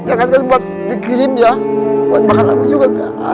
jangan jangan buat dikirim ya buat makan abis juga